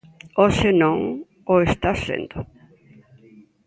Hoxe non o está sendo.